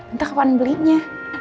entah kapan belinya